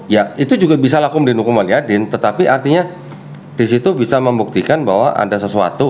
ya itu juga bisa lakomin hukuman yadin tetapi artinya disitu bisa membuktikan bahwa ada sesuatu